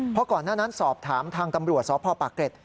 เพราะก่อนหน้านั้นสอบถามทางตำรวจสพปากเกร็ด